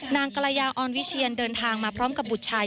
นางกรยาออนวิเชียนเดินทางมาพร้อมกับบุตรชาย